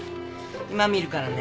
今診るからね。